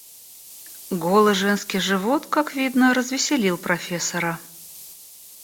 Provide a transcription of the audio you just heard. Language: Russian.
Голый женский живот, как видно, развеселил профессора.